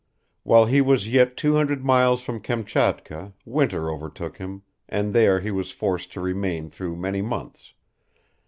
While he was yet two hundred miles from Kamchatka, winter overtook him, and there he was forced to remain through many months.